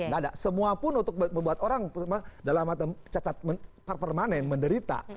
gak ada semuapun untuk membuat orang dalam cacat permanen menderita